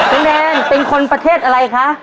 แมนเป็นคนประเทศอะไรคะ